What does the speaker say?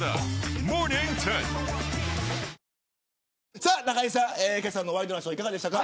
さあ中居さん、けさのワイドナショーいかがでしたか。